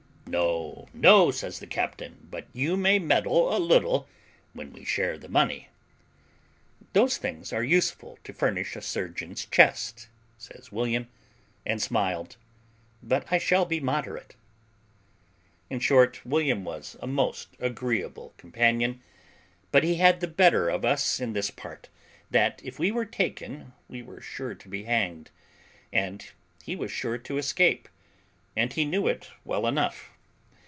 "No, no," says the captain, "but you may meddle a little when we share the money." "Those things are useful to furnish a surgeon's chest," says William, and smiled, "but I shall be moderate." In short, William was a most agreeable companion; but he had the better of us in this part, that if we were taken we were sure to be hanged, and he was sure to escape; and he knew it well enough.